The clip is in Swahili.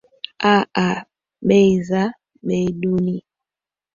aa bei zaa bei duni